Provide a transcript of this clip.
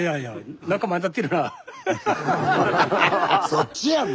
そっちやん！